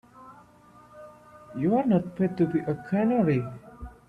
You're not paid to be a canary.